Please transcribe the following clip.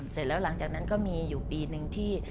เสร็จแล้วหลังจากนั้นก็มีอยู่ปีหนึ่งที่